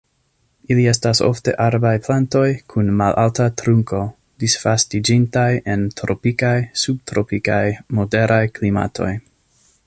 Ili estas ofte arbaj plantoj kun malalta trunko, disvastiĝintaj en tropikaj, subtropikaj, moderaj klimatoj.